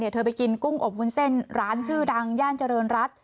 เธอไปกินกุ้งอบวุ้นเส้นร้านชื่อดังย่านเจริญรัฐ